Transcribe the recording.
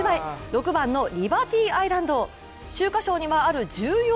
６番のリバティアイランド。